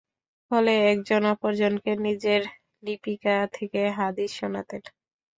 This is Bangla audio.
ফলে একজন অপরজনকে নিজের লিপিকা থেকে হাদীস শোনাতেন।